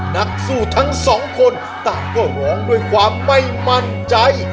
นักสู้ทั้งสองคนต่างก็ร้องด้วยความไม่มั่นใจ